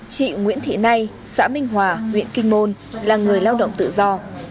chị nguyễn thị nay xã minh hòa huyện kinh môn là người lao động tự do